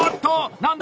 何だ？